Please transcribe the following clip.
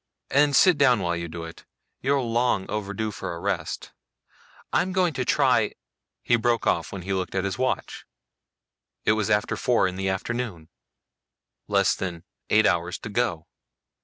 "And sit down while you do it; you're long overdue for a rest. I'm going to try " He broke off when he looked at his watch. It was after four in the afternoon less than eight hours to go.